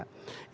itu harus dibuka